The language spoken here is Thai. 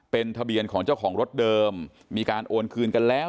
เป็นทะเบียนของเจ้าของรถเดิมมีการโอนคืนกันแล้ว